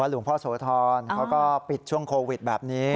หลวงพ่อโสธรเขาก็ปิดช่วงโควิดแบบนี้